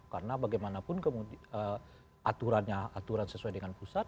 karena bagaimanapun kemudian aturannya aturan sesuai dengan pusat